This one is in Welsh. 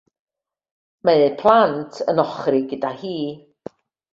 Mae eu plant yn ochri gyda hi.